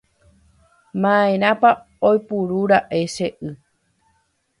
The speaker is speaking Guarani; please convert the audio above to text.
Ma'erãpa oiporúra'e che y.